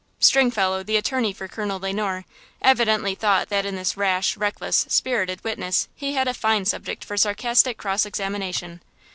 Stringfellow, the attorney for Colonel Le Noir, evidently thought that in this rash, reckless, spirited witness he had a fine subject for sarcastic cross examination!